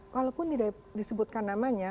walaupun tidak disebutkan namanya